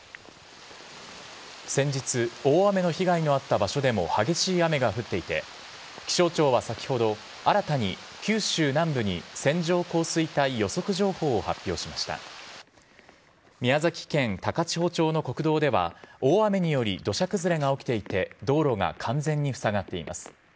先日、大雨の被害のあった場所でも激しい雨が降っていて、気象庁は先ほど、新たに九州南部に線状降水帯予測情報を発表しました宮崎県高千穂町の国道では、大雨により、土砂崩れが起きていて、道路が完全に塞がっています。